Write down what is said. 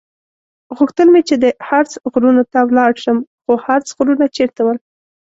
غوښتل مې چې د هارتز غرونو ته ولاړ شم، خو هارتز غرونه چېرته ول؟